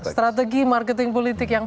strategi marketing politik yang